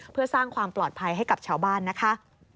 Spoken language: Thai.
เพื่อสร้างความปลอดภัยให้กับชาวบ้านนะคะ